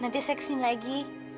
nanti saya kesini lagi